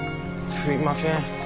すいません